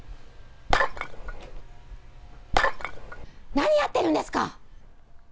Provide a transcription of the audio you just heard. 何やってるんですか？